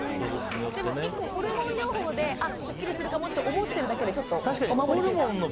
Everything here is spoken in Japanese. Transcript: １個、ホルモン療法でスッキリするかもって思っているだけでちょっとお守りというか。